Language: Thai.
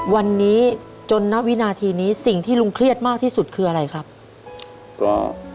วันนี้จนณวินาทีนี้สิ่งที่ลุงเครียดมากที่สุดคืออะไรครับก็